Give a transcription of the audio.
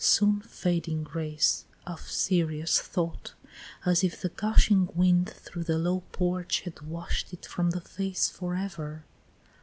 soon fading grace Of serious thought, as if the gushing wind Through the low porch had wash'd it from the face For ever!